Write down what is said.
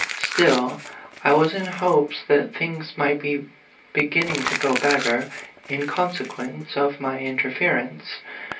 Still, I was in hopes that things might be beginning to go better, in consequence of my interference.